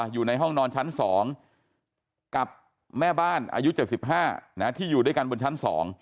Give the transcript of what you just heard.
อยู่ในห้องนอนชั้น๒กับแม่บ้านอายุ๗๕ที่อยู่ด้วยกันบนชั้น๒